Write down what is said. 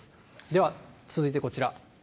では、続いてこちら。